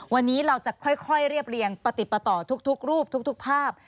วันนี้เราจะค่อยเรียบเรียงประติดประต่อทุกรูปทุกภาพ